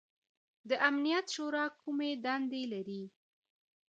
د امنیت شورا کومې دندې لري؟